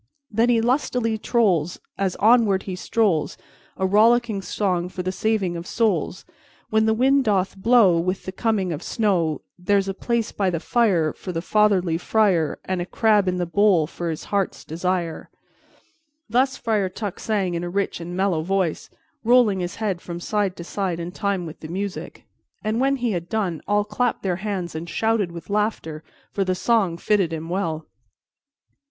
Then he lustily trolls As he onward strolls, A rollicking song for the saving of souls. When the wind doth blow, With the coming of snow, There's a place by the fire For the fatherly friar, And a crab in the bowl for his heart's desire_." Thus Friar Tuck sang in a rich and mellow voice, rolling his head from side to side in time with the music, and when he had done, all clapped their hands and shouted with laughter, for the song fitted him well.